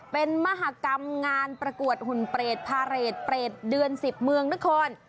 เป็นมหากรรมงานประกวดหุ่นเปรตพาเรทเปรตเดือน๑๐เมืองนคร